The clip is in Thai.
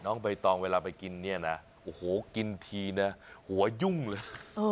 ใบตองเวลาไปกินเนี่ยนะโอ้โหกินทีนะหัวยุ่งเลย